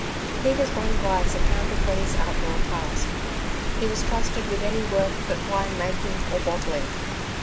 Peter's one vice accounted for his outdoor task: he was trusted with any work but wine making or bottling.